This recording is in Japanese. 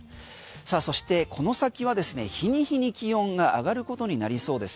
さあ、そしてこの先はですね日に日に気温が上がることになりそうです。